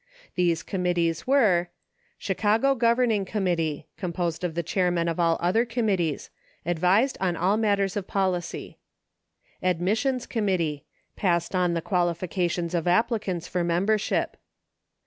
These committees were : Chicago Governing Committee. Composed of the chairmen of all other committees. Advised on all matters of policy. Admissions Committee. Passed on the qualifications of applicants for membership.